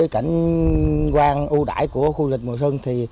cảnh quan ưu đãi của khu du lịch mùa xuân